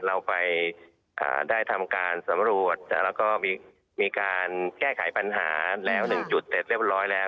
เราไปได้ทำการสำรวจแล้วก็มีการแก้ไขปัญหาแล้ว๑จุดเสร็จเรียบร้อยแล้ว